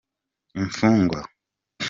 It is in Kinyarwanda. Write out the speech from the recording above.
imfugwa.